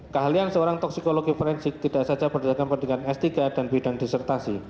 keahlian seorang toksikologi forensik tidak saja berdasarkan pendidikan s tiga dan bidang disertasi